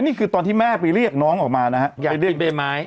นี่คือตอนที่แม่ไปเรียกน้องออกมานะฮะ